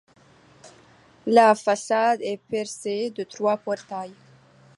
La façade est percée de trois portails.